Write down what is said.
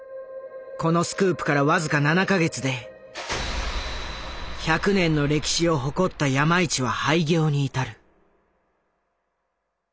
このスクープから僅か７か月で１００年の歴史を誇った山一は廃業に至る。